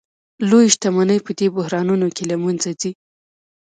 لویې شتمنۍ په دې بحرانونو کې له منځه ځي